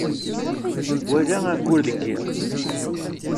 Wala ayyur deg yiḍ.